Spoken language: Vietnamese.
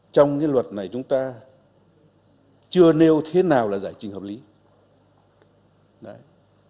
trong cái luật này chúng ta chưa nêu thế nào là giải trình hợp lý